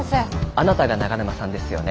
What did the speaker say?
あなたが長沼さんですよね。